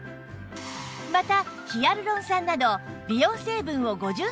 またヒアルロン酸など美容成分を５３種類も配合